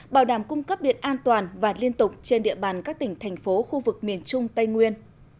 bảo đảm cung cấp điện an toàn và liên tục trên địa bàn các tỉnh thành phố khu vực miền trung tây nguyên